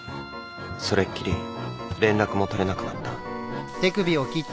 それっきり連絡も取れなくなった。